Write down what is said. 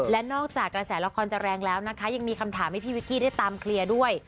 และนอกจากกระแสละครจะแรงแล้วนะคะยังมีคำถามให้พี่วิกกี้ได้ตามเคลียร์ด้วย